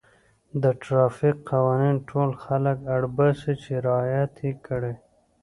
د ټرافیک قوانین ټول خلک اړ باسي چې رعایت یې کړي.